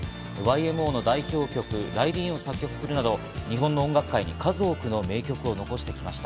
ＹＭＯの代表曲『ＲＹＤＥＥＮ』を作曲するなど、日本の音楽界に数々の名曲を残してきました。